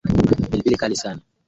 Pilipili kali sana.